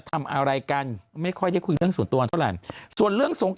ทำอะไรกันไม่ค่อยได้คุยเรื่องส่วนตัวเท่าไหร่ส่วนเรื่องสงการ